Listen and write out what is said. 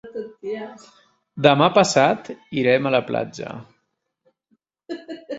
Demà passat irem a la platja.